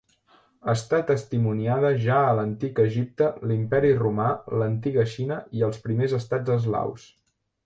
Està testimoniada ja a l'antic Egipte l'Imperi Romà l'antiga Xina i als primers estats eslaus.